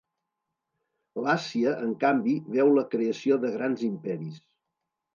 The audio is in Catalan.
L'Àsia, en canvi, veu la creació de grans imperis.